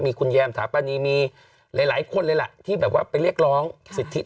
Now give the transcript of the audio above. มีคุณแย่มอาจารย์ประตานี